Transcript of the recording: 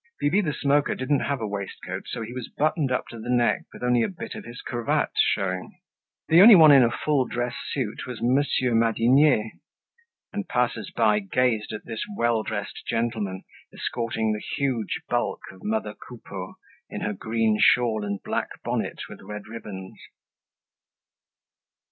Bibi the Smoker didn't have a waistcoat so he was buttoned up to the neck with only a bit of his cravat showing. The only one in a full dress suit was Monsieur Madinier and passers by gazed at this well dressed gentleman escorting the huge bulk of mother Coupeau in her green shawl and black bonnet with red ribbons.